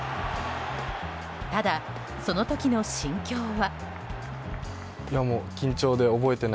ただ、その時の心境は。